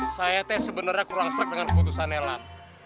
saya teh sebenarnya kurang serik dengan keputusan nelan